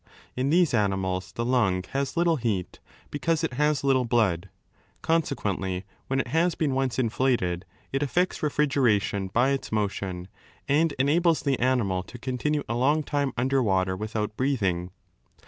In these animals the lung has little heat, because it has little blood. Conse quently when it has been once inflated, it effects refrigera tion by its motion and enables the animal to continue a long time under water without breathing.